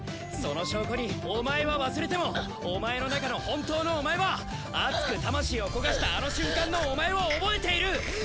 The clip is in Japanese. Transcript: その証拠にお前は忘れてもお前の中の本当のお前は熱く魂を焦がしたあの瞬間のお前を覚えている！